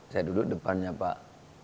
saya duduk depannya pak